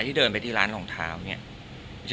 ที่เดินไปที่ร้านรองเท้า